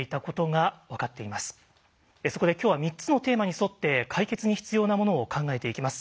そこで今日は３つのテーマに沿って解決に必要なものを考えていきます。